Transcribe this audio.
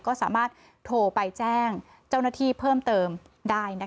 ก็สามารถโทรไปแจ้งเจ้าหน้าที่เพิ่มเติมได้